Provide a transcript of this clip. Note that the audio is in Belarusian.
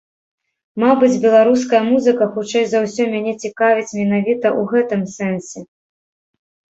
Мабыць, беларуская музыка, хутчэй за ўсё, мяне цікавіць менавіта ў гэтым сэнсе.